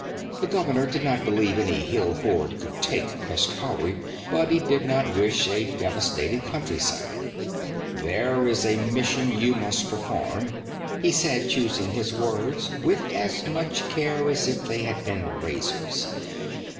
The governor did not believe any hill horde could take Peshkhauri, but he did not wish a devastated countryside. 'There is a mission you must perform,' he said, choosing his words with as much care as if they had been razors.